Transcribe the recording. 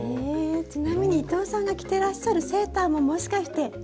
ちなみに伊藤さんが着ていらっしゃるセーターももしかして。